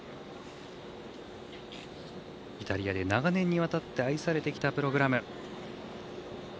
イタリアで長年にわたって愛されてきたプログラム。